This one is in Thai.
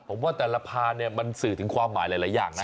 ผมว่าแต่ละพานเนี่ยมันสื่อถึงความหมายหลายอย่างนะ